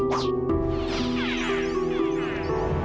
masanya curt pokemon kacau banget